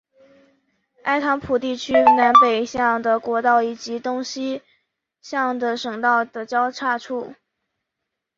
埃唐普地处南北向的国道以及东西向的省道的交叉处。